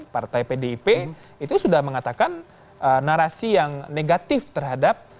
partai pdip itu sudah mengatakan narasi yang negatif terhadap